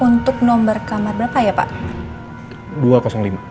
untuk nomor kamar berapa ya pak